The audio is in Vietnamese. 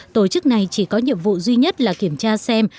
tổ chức này chỉ có nhiệm vụ duy nhất là kiểm tra xem